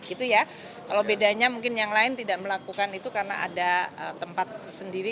itu ya kalau bedanya mungkin yang lain tidak melakukan itu karena ada tempat sendiri